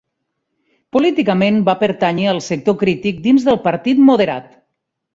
Políticament va pertànyer al sector crític dins del Partit Moderat.